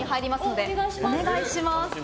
お願いします。